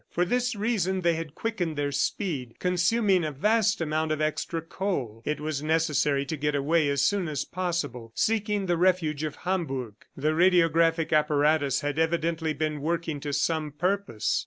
For this reason they had quickened their speed, consuming a vast amount of extra coal. It was necessary to get away as soon as possible, seeking the refuge of Hamburg. The radiographic apparatus had evidently been working to some purpose.